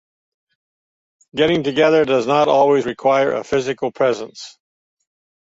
Getting together does not always require a physical presence.